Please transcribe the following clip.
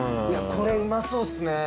これうまそうっすね。